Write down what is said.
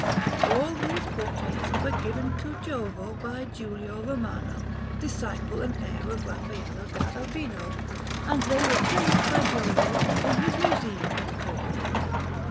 All these portraits were given to Giovio by Giulio Romano, disciple and heir of Raffaello da Urbino, and they were placed by Giovio in his museum at Como.